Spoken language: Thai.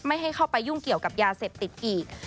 ให้เข้าไปยุ่งเกี่ยวกับยาเสพติดอีก